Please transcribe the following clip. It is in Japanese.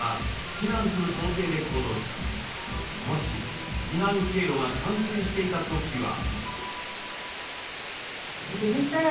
もし避難経路が冠水していた時は？